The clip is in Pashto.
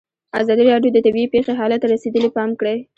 ازادي راډیو د طبیعي پېښې حالت ته رسېدلي پام کړی.